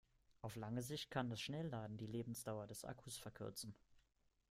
Auf lange Sicht kann das Schnellladen die Lebensdauer des Akkus verkürzen.